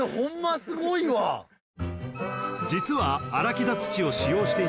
［実は］